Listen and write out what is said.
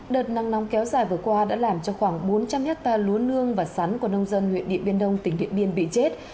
đợt nắng nóng kéo dài vừa qua đã làm cho khoảng bốn trăm linh hectare lúa nương và sắn của nông dân huyện điện biên đông tỉnh điện biên bị chết